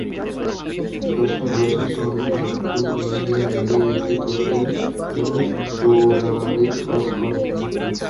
শসার রসের সঙ্গে মধু মিশিয়ে নিলে এটি ত্বকে টোনারের কাজ করবে।